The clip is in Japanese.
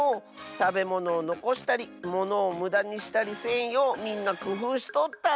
たべものをのこしたりものをむだにしたりせんようみんなくふうしとったんじゃ。